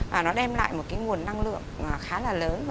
và nó đem lại một cái nguồn năng lượng khá là lớn